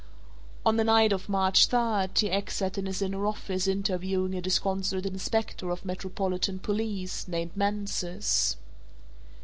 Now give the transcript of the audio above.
On the night of March 3rd, T. X. sat in his inner office interviewing a disconsolate inspector of metropolitan police, named Mansus.